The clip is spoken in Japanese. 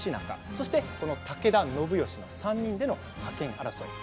そして、武田信義３人での覇権争い